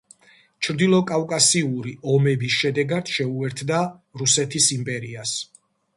ჩრდილო კავკასიური ომების შედეგად, შეუერთდა რუსეთის იმპერიას.